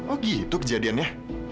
oh gitu kejadiannya